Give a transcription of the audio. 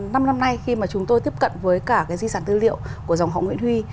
năm năm nay khi mà chúng tôi tiếp cận với cả cái di sản tư liệu của dòng họ nguyễn huy